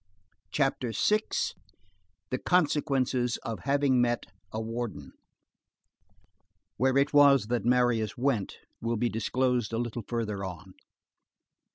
CHAPTER VI—THE CONSEQUENCES OF HAVING MET A WARDEN Where it was that Marius went will be disclosed a little further on.